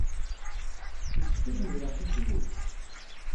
Yessefk ad medleɣ tazewwut?